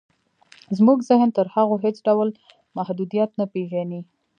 زموږ ذهن تر هغو هېڅ ډول محدوديت نه پېژني.